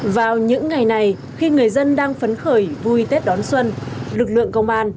vào những ngày này khi người dân đang phấn khởi vui tết đón xuân lực lượng công an